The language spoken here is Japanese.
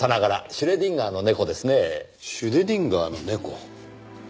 シュレディンガーの猫？